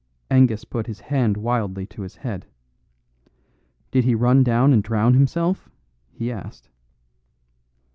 Angus put his hand wildly to his head. "Did he run down and drown himself?" he asked.